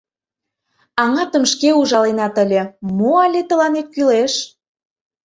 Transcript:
Аҥатым шке ужаленат ыле — мо але тыланет кӱлеш?»